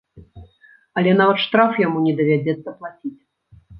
Але нават штраф яму не давядзецца плаціць.